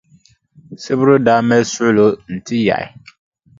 Sibiri daa mali suɣulo n-ti yaɣi.